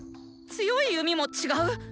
強い弓も違う？